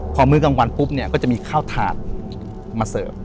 พอมื้อกลางวันปุ๊บเนี่ยก็จะมีข้าวถาดมาเสิร์ฟ